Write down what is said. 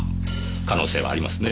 可能性はありますね。